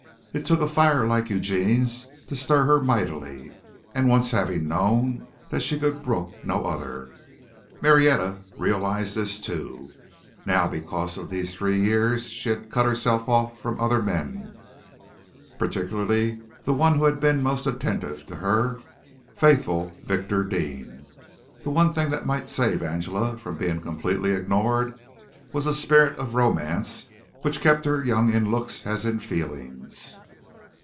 It took a fire like Eugene's to stir her mightily, and once having known that she could brook no other. Marietta realized this too. Now because of these three years she had cut herself off from other men, particularly the one who had been most attentive to her faithful Victor Dean. The one thing that might save Angela from being completely ignored was a spirit of romance which kept her young in looks as in feelings.